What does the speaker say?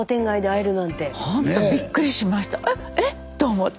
「えっえ？」と思って。